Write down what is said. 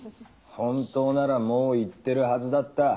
本当ならもう行ってるはずだった。